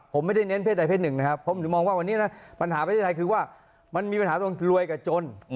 ผมไม่ได้เน้นเศษใดเศษหนึ่งนะครับผมถึงมองว่าวันนี้นะปัญหาประเทศไทยคือว่ามันมีปัญหาตรงรวยกับจน